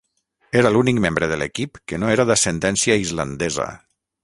Era l'únic membre de l'equip que no era d'ascendència islandesa.